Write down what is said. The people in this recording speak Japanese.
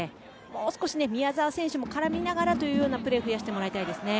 もう少し、宮澤選手も絡みながらというプレーを増やしてもらいたいですね。